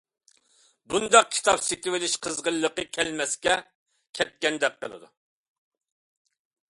بۇنداق كىتاب سېتىۋېلىش قىزغىنلىقى كەلمەسكە كەتكەندەك قىلىدۇ.